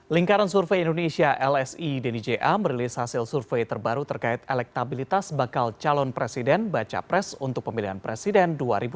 lingkaran survei indonesia lsi denny ja merilis hasil survei terbaru terkait elektabilitas bakal calon presiden baca pres untuk pemilihan presiden dua ribu sembilan belas